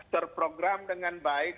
terprogram dengan baik